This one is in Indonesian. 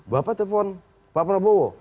bapak telpon pak prabowo